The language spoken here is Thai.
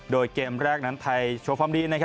โดยเกมแรกนั้นไทยโชคพร้อมดี